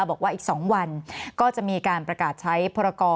บอกว่าอีก๒วันก็จะมีการประกาศใช้พรกร